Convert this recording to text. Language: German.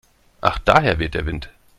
Ach daher weht der Wind.